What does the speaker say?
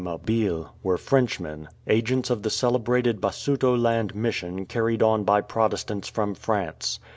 Mabille, were Frenchmen, agents of the celebrated Basutoland Mission carried on by Protestants from France.